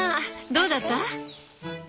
どうだった？